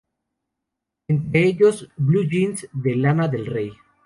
Entre ellos Blue Jeans de Lana Del Rey.